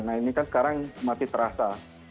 nah ini kan sekarang masih terasa